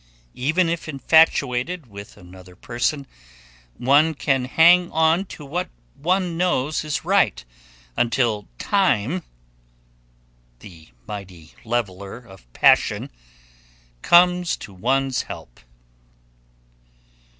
Even if infatuated with another person, one can hang on to what one knows is right until Time, the mighty leveler of passion, comes to one's help.